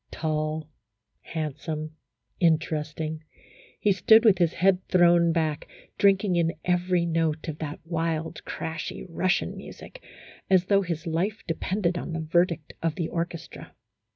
Tall, handsome, interesting, he stood with his head thrown back, drinking in every note of that wild, crashy Russian music, as though his life de pended upon the verdict of the orchestra.